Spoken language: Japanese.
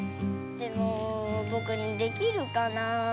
でもぼくにできるかな。